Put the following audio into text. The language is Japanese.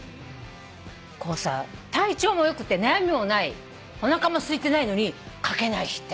こうさ体調もよくて悩みもないおなかもすいてないのに書けない日ってある。